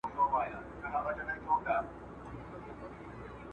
هغه قاتل چي ذمي وژلی وو قصاص سو.